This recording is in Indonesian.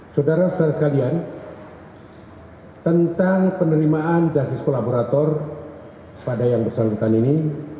saudara saudara sekalian tentang penerimaan justice kolaborator pada yang bersangkutan ini